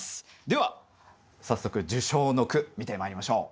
では早速受賞の句見てまいりましょう。